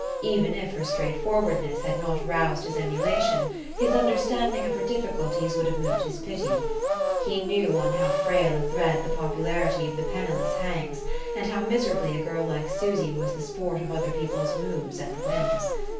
Even if her straightforwardness had not roused his emulation, his understanding of her difficulties would have moved his pity. He knew on how frail a thread the popularity of the penniless hangs, and how miserably a girl like Susy was the sport of other people's moods and whims.